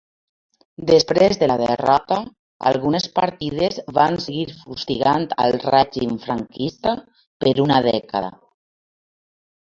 Després de la derrota algunes partides van seguir fustigant al règim franquista per una dècada.